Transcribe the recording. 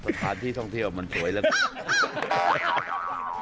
สถานที่ท่องที่อะมันสวยเรื่องไง